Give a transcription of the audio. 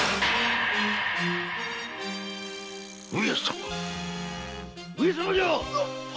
上様上様じゃ！